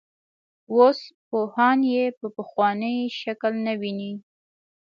اوس پوهان یې په پخواني شکل نه ویني.